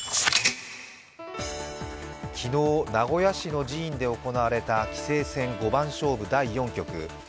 昨日、名古屋市の寺院で行われた棋聖戦五番勝負第４局。